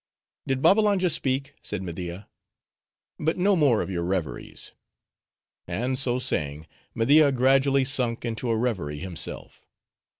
"Did Babbalanja speak?" said Media. "But no more of your reveries;" and so saying Media gradually sunk into a reverie himself.